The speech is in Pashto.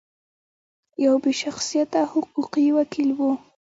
یو بې شخصیته حقوقي وکیل و.